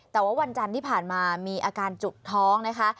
แต่ว่าวันจันทร์ที่ผ่านมามีอาการจุกท้องนะคะ